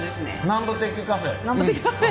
南部鉄器カフェ。